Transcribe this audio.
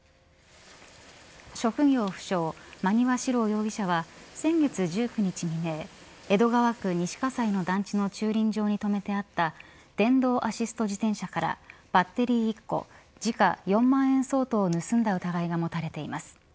職業不詳、馬庭史郎容疑者は先月１９日未明江戸川区西葛西の団地の駐輪場に止めてあった電動アシスト自転車からバッテリー１個時価４万円相当を盗んだ疑いが持たれています。